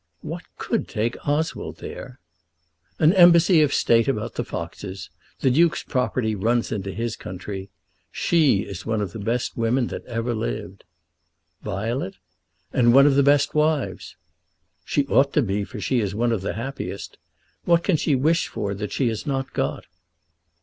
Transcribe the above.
"What could take Oswald there?" "An embassy of State about the foxes. The Duke's property runs into his country. She is one of the best women that ever lived." "Violet?" "And one of the best wives." "She ought to be, for she is one of the happiest. What can she wish for that she has not got?